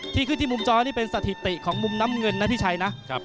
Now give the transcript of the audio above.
ที่ขึ้นที่มุมจอนี่เป็นสถิติของมุมน้ำเงินนะพี่ชัยนะ